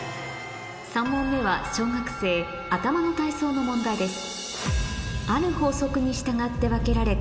３問目は小学生頭の体操の問題です